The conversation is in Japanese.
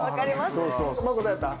まこどうやった？